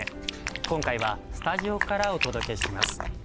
今回はスタジオからお届けします。